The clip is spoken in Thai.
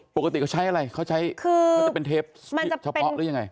ปกติเขาใช้อะไรเขาใช้คือเขาจะเป็นเทปเฉพาะหรือยังไง